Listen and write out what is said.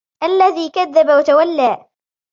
الَّذِي كَذَّبَ وَتَوَلَّى